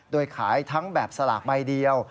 โดยขายทั้งแบบสลากใบเดียว